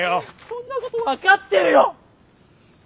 そんなこと分かってるよ。